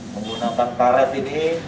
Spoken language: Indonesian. menggunakan karet ini